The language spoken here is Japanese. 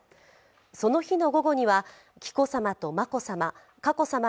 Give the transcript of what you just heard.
その日の午後には紀子さまと眞子さま、